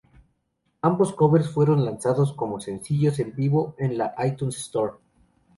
Ambos covers fueron lanzados como sencillos en vivo en la iTunes Store.